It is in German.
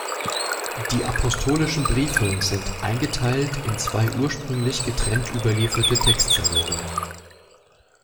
Die Apostolischen Briefe sind eingeteilt in zwei ursprünglich getrennt überlieferte Textsammlungen.